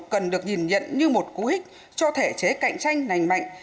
cần được nhìn nhận như một cú hích cho thể chế cạnh tranh lành mạnh